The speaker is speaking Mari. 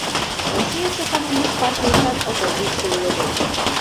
— Российысе коммунист партийыштат оппозиций уло вет...